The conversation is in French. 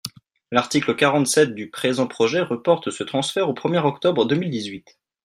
L’article quarante-sept du présent projet reporte ce transfert au premier octobre deux mille dix-huit.